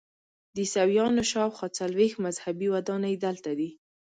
د عیسویانو شاخوا څلویښت مذهبي ودانۍ دلته دي.